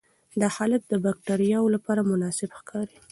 دا حالت د باکټریاوو لپاره مناسب ښکاري.